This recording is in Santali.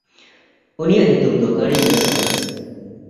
ᱩᱱᱤᱭᱟᱜ ᱧᱩᱛᱩᱢ ᱫᱚ ᱠᱟᱲᱤᱢᱤᱨᱟᱥ ᱠᱟᱱᱟ᱾